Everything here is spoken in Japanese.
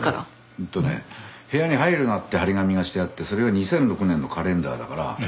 うんとね部屋に「入るな」って貼り紙がしてあってそれが２００６年のカレンダーだから。